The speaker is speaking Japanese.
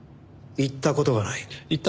行った事がない。